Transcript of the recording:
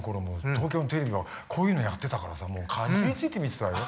東京のテレビはこういうのをやってたからさかじりついて見てたよ。